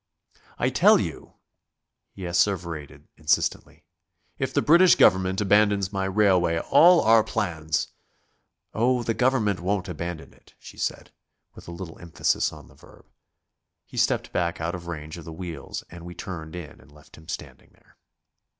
"I tell you," he asseverated insistently, "if the British Government abandons my railway all our plans ..." "Oh, the Government won't abandon it," she said, with a little emphasis on the verb. He stepped back out of range of the wheels, and we turned in and left him standing there.